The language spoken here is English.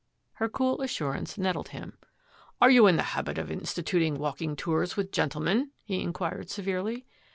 Her cool assurance nettled him. " Are you in the habit of instituting walking tours with gen tlemen? " he inquired severely.